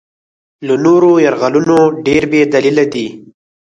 له نورو یرغلونو ډېر بې دلیله دی.